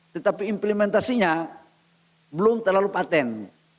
tetapi implementasinya belum terlalu patent